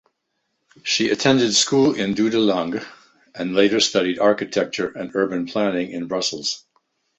She attended school in Dudelange and later studied architecture and urban planning in Brussels.